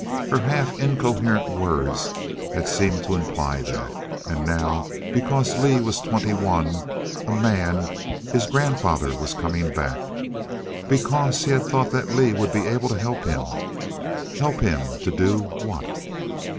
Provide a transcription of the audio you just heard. Her half incoherent words had seemed to imply that. And now, because Lee was twenty one a man his grandfather was coming back. Because he had thought that Lee would be able to help him?... Help him to do what?